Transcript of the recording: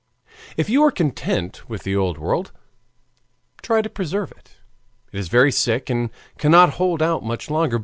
"If you are content with the old world, try to preserve it, it is very sick and cannot hold out much longer.